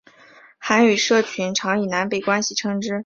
韩语社群常以南北关系称之。